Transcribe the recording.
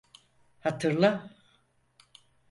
Hatırla…